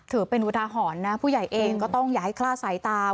ถือเป็นอุทาหรณ์นะผู้ใหญ่เองก็ต้องอย่าให้คลาดสายตา